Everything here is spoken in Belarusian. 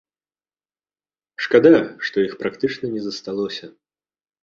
Шкада, што іх практычна не засталося.